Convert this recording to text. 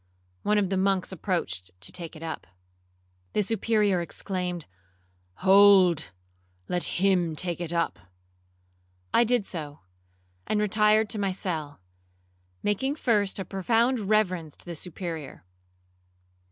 One of the monks approached to take it up. The Superior exclaimed, 'Hold, let him take it up.' I did so, and retired to my cell, making first a profound reverence to the Superior.